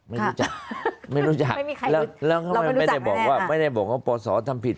ไม่รู้จักไม่ได้บอกว่าปอสทำผิด